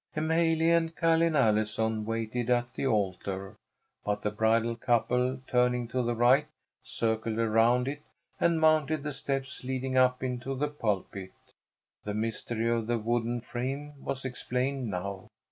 M'haley and Ca'line Allison waited at the altar, but the bridal couple, turning to the right, circled around it and mounted the steps leading up into the pulpit. The mystery of the wooden frame was explained now.